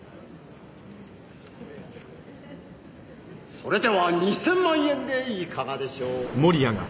「それでは２０００万円でいかがでしょう？」